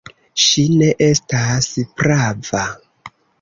Ŝi ne estas prava.